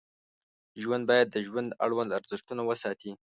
ژوند باید د ژوند اړوند ارزښتونه وساتي.